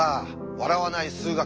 「笑わない数学」